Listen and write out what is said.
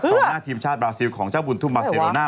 หน้าทีมชาติบราซิลของเจ้าบุญทุ่มบาเซโรน่า